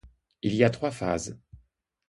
Il y a trois phases.